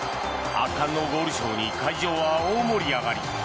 圧巻のゴールショーに会場は大盛り上がり。